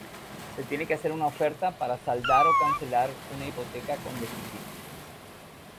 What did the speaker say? Se tiene que hacer una oferta para saldar o cancelar una hipoteca con deficiencias.